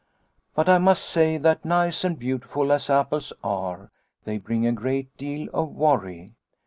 " But I must just say that nice and beautiful as apples are, they bring a great deal of worry.